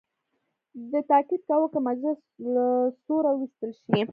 ده تاکید کاوه که مجلس له سوره وویستل شي.